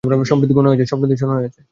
সম্প্রতি শোনা হয়েছে।